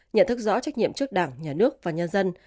nhận thức rõ trách nhiệm trước đảng nhà nước và nhân dân